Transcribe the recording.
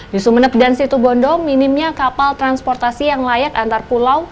di sumeneb dan situbondo minimnya kapal transportasi yang layak antar pulau